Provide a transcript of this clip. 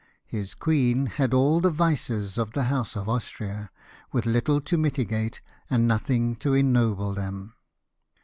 His queen had all the vices of the House of Austria, with little to mitigate, and nothing to ennoble them.